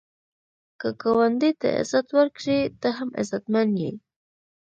که ګاونډي ته عزت ورکړې، ته هم عزتمن یې